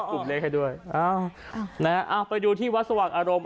กลุ่มเลขให้ด้วยอ่าไปดูที่วัดสวากอารมณ์